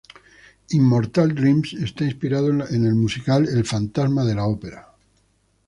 Immortal Dreams está inspirado en el musical El fantasma de la ópera.